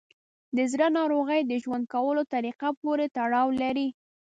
د زړه ناروغۍ د ژوند کولو طریقه پورې تړاو لري.